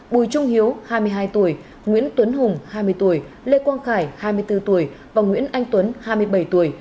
bùi trung hiếu hai mươi hai tuổi nguyễn tuấn hùng hai mươi tuổi lê quang khải hai mươi bốn tuổi và nguyễn anh tuấn hai mươi bảy tuổi